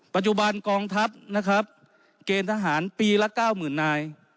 ปัจจุบันกองทัพเกณฑ์ทหารปีละ๙๐๐๐นาย